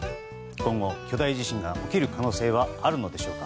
今後、巨大地震が起きる可能性はあるのでしょうか？